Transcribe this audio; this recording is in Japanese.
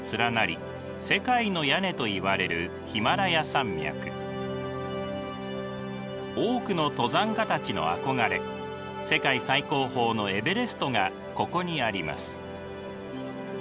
世界の屋根といわれる多くの登山家たちの憧れ世界最高峰のエベレストがここにあります。